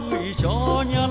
cho người cho nhân